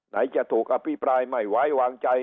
จะถูกอภิปรายไม่ไว้วางใจ